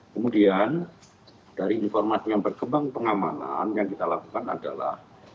kemudian dari informasi yang berkembang pengamanan yang kita lakukan adalah